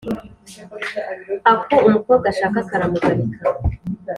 Ako umukobwa ashaka karamugarika.